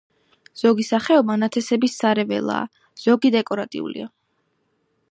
ზოგი სახეობა ნათესების სარეველაა, ზოგი დეკორატიულია.